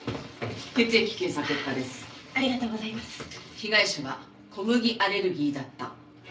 被害者は小麦アレルギーだった。